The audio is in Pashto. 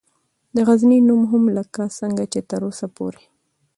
دغزنی نوم هم لکه څنګه چې تراوسه پورې